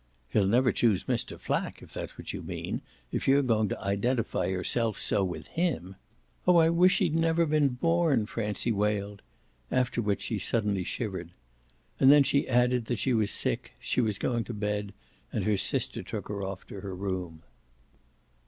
"He'll never choose Mr. Flack, if that's what you mean if you're going to identify yourself so with HIM!" "Oh I wish he'd never been born!" Francie wailed; after which she suddenly shivered. And then she added that she was sick she was going to bed, and her sister took her off to her room.